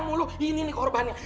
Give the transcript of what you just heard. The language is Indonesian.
kamu tuh ini nih korbannya